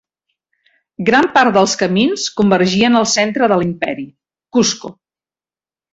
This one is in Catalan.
Gran part dels camins convergien al centre de l'imperi, Cusco.